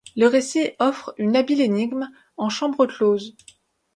Le récit offre une habile énigme en chambre close.